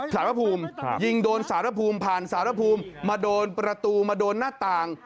สารพระภูมิยิงโดนสารภูมิผ่านสารภูมิมาโดนประตูมาโดนหน้าต่าง